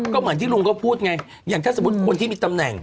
ก็เหมือนที่ลุงก็พูดไงอย่างถ้าสมมุติคนที่มีตำแหน่ง